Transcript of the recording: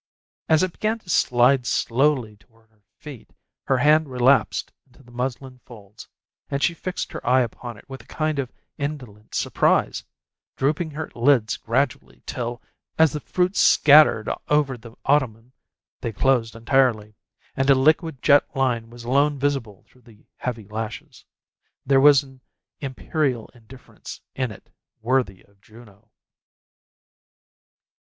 As it began to slide slowly toward her feet, her hand relapsed into the muslin folds, and she fixed her eye upon it with a kind of indolent surprise, drooping her lids gradually till, as the fruit scattered over the ottoman, they closed entirely, and a liquid jet line was alone visible through the heavy lashes. There was an imperial indifference in it worthy of Juno.